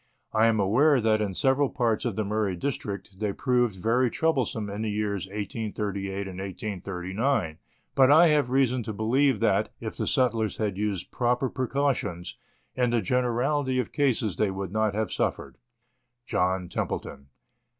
I am aware that in several parts of the Murray district they proved very troublesome in the years 1838 and 1839 ; but I have reason to believe that, if the settlers had used proper precautions, in the generality of cases they would not have suffered. JOHN TEMPLETOX.